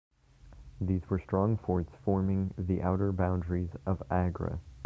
These were strong forts forming the outer boundaries of Agra.